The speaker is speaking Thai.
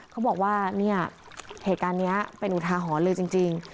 เขาบอกว่าเหตุการณ์นี้เป็นอุทธาหรือจริง